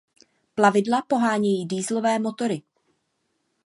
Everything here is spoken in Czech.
Plavidla pohánějí dieselové motory.